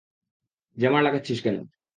Jammer লাগাচ্ছিস কেন?